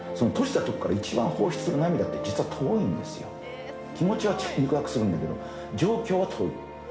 閉じたところから一番放出する涙って、実は遠いんですよ、気持ちは近くするんだけど、状況は遠い。